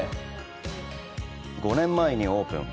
５年前にオープン。